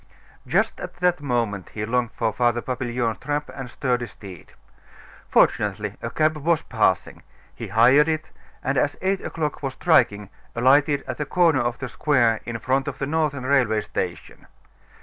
Just at that moment he longed for Father Papillon's trap and sturdy steed. Fortunately, a cab was passing: he hired it, and as eight o'clock was striking, alighted at the corner of the square in front of the Northern Railway Station.